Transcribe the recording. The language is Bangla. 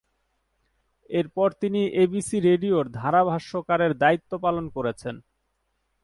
এরপর তিনি এবিসি রেডিও’র ধারাভাষ্যকারের দায়িত্ব পালন করেছেন।